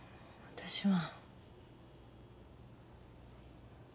私は。